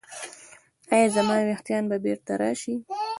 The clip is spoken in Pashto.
ایا زما ویښتان به بیرته راشي؟